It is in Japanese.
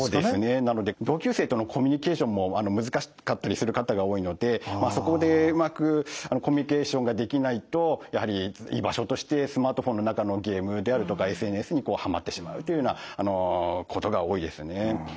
なので同級生とのコミュニケーションも難しかったりする方が多いのでそこでうまくコミュニケーションができないとやはり居場所としてスマートフォンの中のゲームであるとかＳＮＳにはまってしまうというようなことが多いですね。